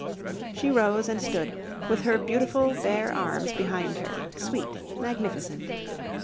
She rose and stood, with her beautiful bare arms behind her, sweet, magnificent.